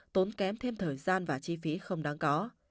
tốn kém thêm thời gian và chi phí không đáng có